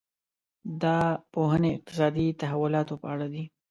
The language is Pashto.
دا پوهنې اقتصادي تحولاتو په اړه دي.